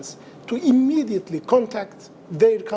untuk menghubungi rakan rakan mereka